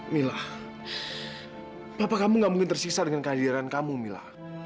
mila apa kamu gak mungkin tersisa dengan kehadiran kamu mila